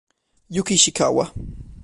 Yuki Ishikawa